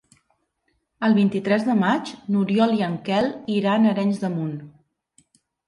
El vint-i-tres de maig n'Oriol i en Quel iran a Arenys de Munt.